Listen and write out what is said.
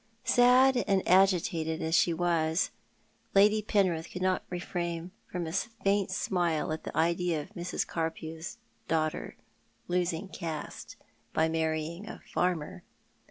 Sad and agitated as she was, Lady Penrith could not refrain from a faint smile at the idea of Mrs. Carpew's daughter losing caste by marrying a farmer.